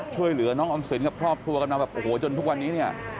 ช่วยเหลือน้องอำสินกับพรอบครัวกันมาโอ้โหจนทุกวันนี้